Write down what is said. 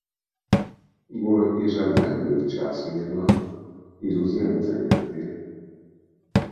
Бо і жадання, і часу няма, і людзі яны занятыя.